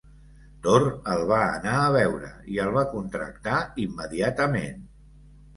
Torr el va anar a veure i el va contractar immediatament.